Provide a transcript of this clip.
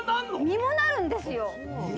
実もなるんですよ。